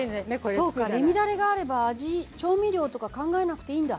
そうかレミだれがあれば味調味料とか考えなくていいんだ。